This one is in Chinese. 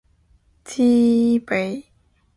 七海娜娜米